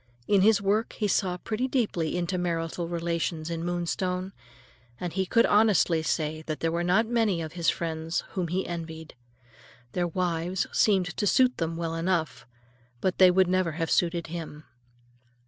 In his work he saw pretty deeply into marital relations in Moonstone, and he could honestly say that there were not many of his friends whom he envied. Their wives seemed to suit them well enough, but they would never have suited him.